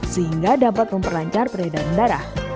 sehingga dapat memperlancar peredaran darah